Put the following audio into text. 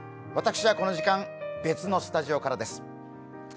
私はこの時間、別のスタジオからです。